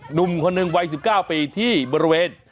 หนุ่มคนหนึ่งวัย๑๙ปีที่บริเวณ